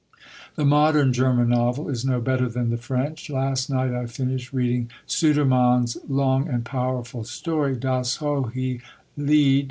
The modern German novel is no better than the French. Last night I finished reading Sudermann's long and powerful story, Das hohe Lied.